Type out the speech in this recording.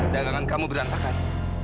dagangan kamu berantakan